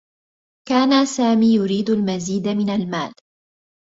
كان سامي يريد المزيد من المال.